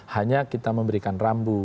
hanya kita memberikan rambu